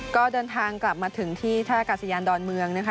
ก็เดินทางกลับมาถึงที่ท่ากาศยานดอนเมืองนะคะ